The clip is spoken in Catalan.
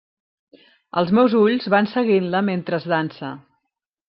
Els meus ulls van seguint-la mentres dansa.